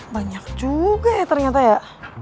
banyak juga ya ternyata ya